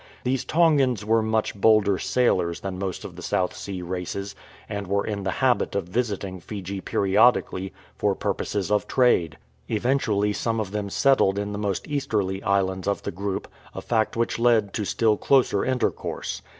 These Tongans were much bolder sailors than most of the South Sea races, and were in the habit of visiting Fiji periodically for pur poses of trade. Eventually some of them settled in the most easterly islands of the group, a fact which led to still closer intercourse.